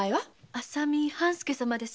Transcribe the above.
浅見半助様です。